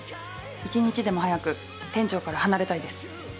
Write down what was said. １日でも早く店長から離れたいです。